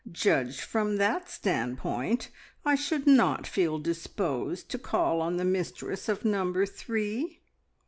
Judged from that standpoint, I should not feel disposed to call on the mistress of Number Three."